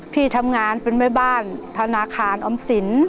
พี่ทำงานเป็นแม่บ้านธนาคารออมสิน